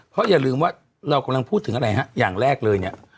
เพราะอย่าลืมว่าเรากำลังพูดถึงอะไรฮะอย่างแรกเลยเนี่ย